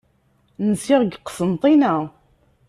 Nsiɣ deg Qsenṭina.